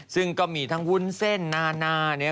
ซึ่งก็มีทั้งวุ้นเส้นนานา